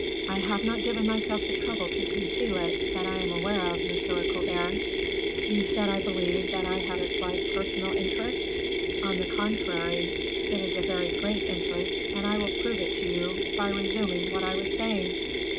"I have not given myself the trouble to conceal it, that I am aware of, Monsieur Colbert. You said, I believe, that I had a slight personal interest? On the contrary, it is a very great interest, and I will prove it to you, by resuming what I was saying.